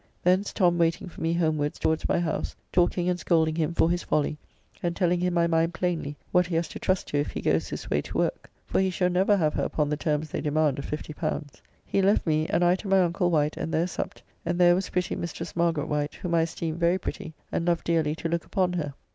Thence Tom waiting for me homewards towards my house, talking and scolding him for his folly, and telling him my mind plainly what he has to trust to if he goes this way to work, for he shall never have her upon the terms they demand of L50. He left me, and I to my uncle Wight, and there supped, and there was pretty Mistress Margt. Wight, whom I esteem very pretty, and love dearly to look upon her.